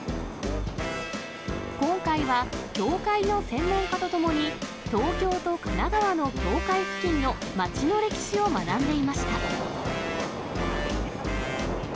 今回は協会の専門家とともに、東京と神奈川の境界付近の町の歴史を学んでいました。